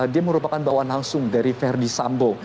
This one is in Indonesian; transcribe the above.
dia merupakan bawaan langsung dari verdi sambo